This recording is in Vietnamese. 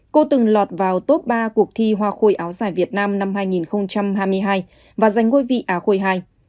cô từng lọt vào top ba cuộc thi hoa khôi áo dài việt nam năm hai nghìn hai mươi hai và giành ngôi vị á khôi ii